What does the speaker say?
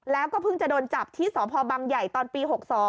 แล้วก็เพิ่งจะโดนจับที่สพบังใหญ่ตอนปี๖๒